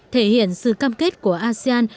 thể hiện sự cam kết của asean